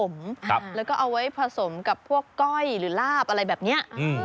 แล้วก็เอาไว้ผสมกับพวกก้อยหรือลาบอะไรแบบนี้